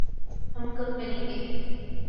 ہم کب ملیں گے؟